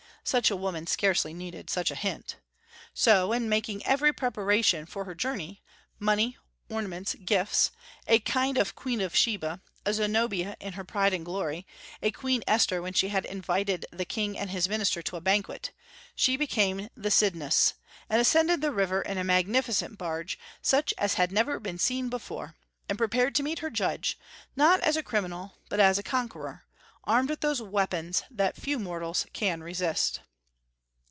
Such a woman scarcely needed such a hint. So, making every preparation for her journey, money, ornaments, gifts, a kind of Queen of Sheba, a Zenobia in her pride and glory, a Queen Esther when she had invited the king and his minister to a banquet, she came to the Cydnus, and ascended the river in a magnificent barge, such as had never been seen before, and prepared to meet her judge, not as a criminal, but as a conqueror, armed with those weapons that few mortals can resist.